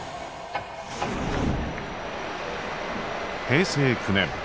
平成９年。